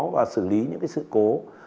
và xử lý những sự cố